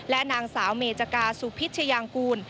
และนางสาวเมจกาสุพิชยางกูล